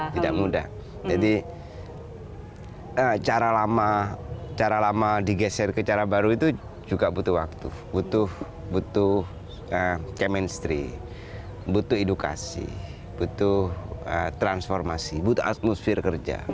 tidak mudah jadi cara lama digeser ke cara baru itu juga butuh waktu butuh chemistry butuh edukasi butuh transformasi butuh atmosfer kerja